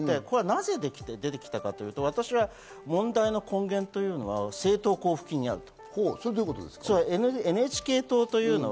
なぜ出てきたかというと、私は問題の根源というのは、政党交付金にあると。